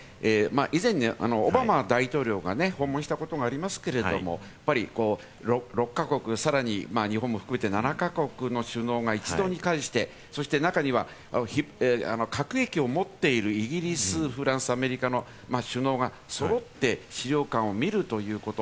以前、オバマ大統領が訪問したことがありますけれども、６か国、さらに日本も含めて、７か国の首脳が一堂に会してそして中には核兵器を持っているイギリス、フランス、アメリカの首脳が揃って資料館を見るということ。